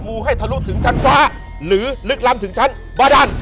ให้ทะลุถึงชั้นฟ้าหรือลึกล้ำถึงชั้นบาดัน